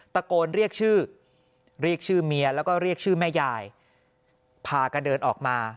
ตะโกนเรียกชื่อเรียกชื่อเมียแล้วก็เรียกชื่อแม่ยายพากันเดินออกมา